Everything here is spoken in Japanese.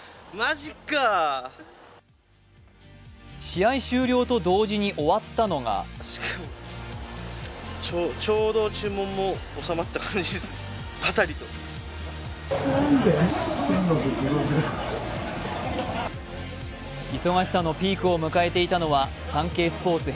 試合終了と同時に終わったのが忙しさのピークを迎えていたのは「サンケイスポーツ」